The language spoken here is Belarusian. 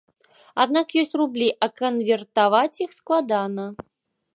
Аднак ёсць рублі, а канвертаваць іх складана.